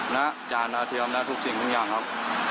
อาจารย์อาเทียมและทุกสิ่งทุกอย่างครับ